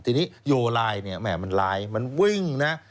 ทีนี้โยลายมันลายมันวิ่งนะ